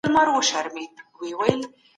د خلکو په زړونو کې ځای پيدا کړئ.